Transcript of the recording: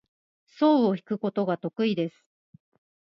箏を弾くことが得意です。